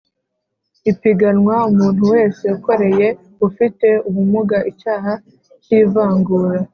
ipiganwa. umuntu wese ukoreye ufite ubumuga icyaha k'ivangura